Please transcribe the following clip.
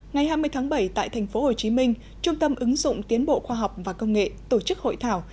ngày hai mươi tháng bảy tại tp hcm trung tâm ứng dụng tiến bộ khoa học và công nghệ tổ chức hội thảo